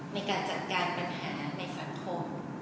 ในการจัดการปัญหาในสังคม